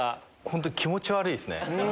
本当気持ち悪いですね。